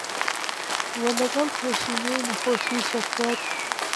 وە لەگەڵ پێشینەی نەخۆشی شەکرەت